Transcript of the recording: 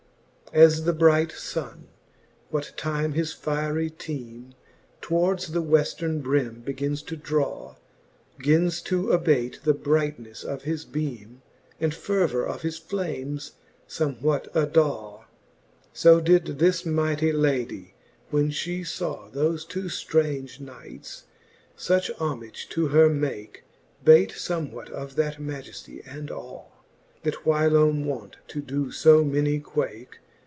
, XXXV. As the bright funne, what time his fierie feme Towards the wefl:erne brim begins to draw, Gins to abate the bright neffe of his heme, And fervour of his flames fomewhat adaw: So did this mightie ladie, when fhe faw Thofe two ftrange knights fuch homage to her make. Bate fomewhat of that majeftie and awe, That whylome wont to doe fo many quake.